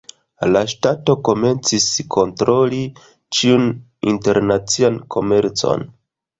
La ŝtato komencis kontroli ĉiun internacian komercon.